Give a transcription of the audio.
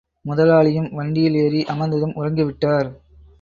முதலாளியும் வண்டியில் ஏறி அமர்ந்ததும் உறங்கிவிட்டார்.